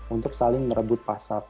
untuk saling merebut pasar